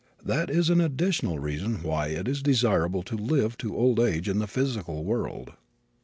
That is an additional reason why it is desirable to live to old age in the physical world.